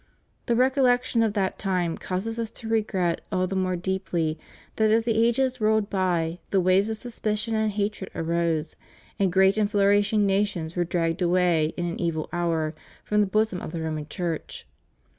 The recollection of that time causes Us to regret all the more deeply that as the ages rolled by the waves of suspicion and hatred arose, and great and flourishing nations were dragged away, in an evil hour, from the bosom of the Roman Church.